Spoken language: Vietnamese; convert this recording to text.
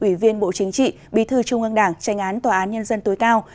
ủy viên bộ chính trị bí thư trung ương đảng tranh án tòa án nhân dân tối cao